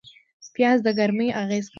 پیاز د ګرمۍ اغېز کموي